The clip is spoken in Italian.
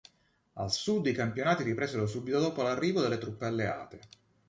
Al sud i campionati ripresero subito dopo l'arrivo delle truppe alleate.